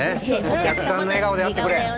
お客さんの笑顔であってくれ！